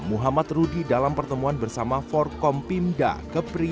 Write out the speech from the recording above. muhammad rudy dalam pertemuan bersama forkom pimda kepri